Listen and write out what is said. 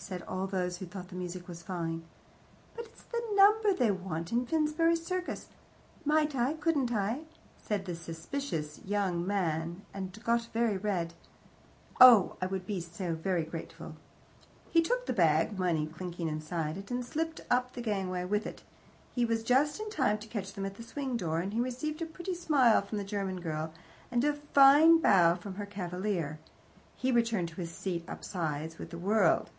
said all those who thought the music fine. "But it's the number they want in Finsbury Circus " "Might I couldn't I " said the suspicious young man, and got very red. "Oh, I would be so grateful." He took the bag money clinking inside it and slipped up the gangway with it. He was just in time to catch them at the swing door, and he received a pretty smile from the German girl and a fine bow from her cavalier. He returned to his seat up sides with the world.